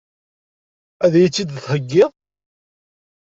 Ad iyi-tt-id-theggiḍ?